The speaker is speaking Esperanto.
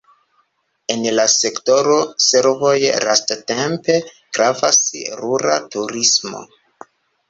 En la sektoro servoj lastatempe gravas rura turismo.